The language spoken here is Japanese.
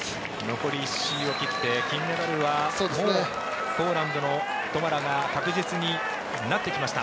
残り１周を切って金メダルはもうポーランドのトマラが確実になってきました。